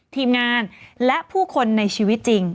ทีมงานและผู้คนในชีวิตจริง